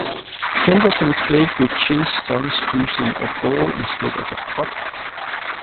Henderson played with Chin's sons using a ball instead of a puck.